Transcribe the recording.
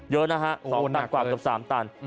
เยอะนะฮะ๒ตันกว่าเกือบ๓ตัน